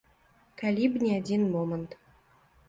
Калі б не адзін момант.